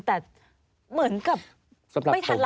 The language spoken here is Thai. แต่เหมือนกับไม่ทันรับเฟลอค่ะ